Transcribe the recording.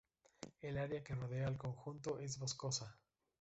El área que rodea al conjunto es boscosa.